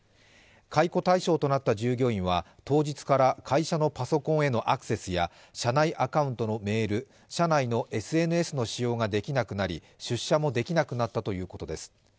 解雇対象となった従業員は、当日から会社のパソコンへのアクセスや社内アカウントのメール、社内のＳＮＳの使用ができなくなり、出社もできなくなったということです。